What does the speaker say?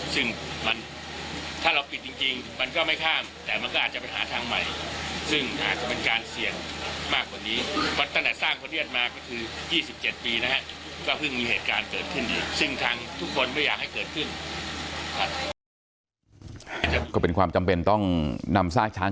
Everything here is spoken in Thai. ซึ่งถ้าเราปิดจริงมันก็ไม่ข้ามแต่มันก็อาจจะเป็นทางใหม่